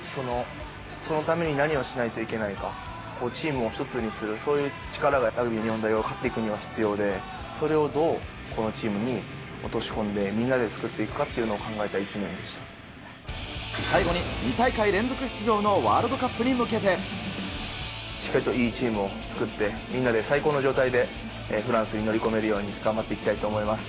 そのために何をしないといけないのか、チームを一つにする、そういう力がラグビー日本代表が勝っていくには必要で、それをどうこのチームに落とし込んで、みんなで作っていくかっていうの最後に、２大会連続出場のワしっかりといいチームを作って、みんなで最高の状態でフランスに乗り込めるように頑張っていきたいと思います。